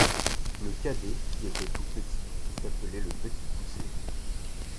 Le cadet, qui était tout petit, s’appelait le Petit Poucet.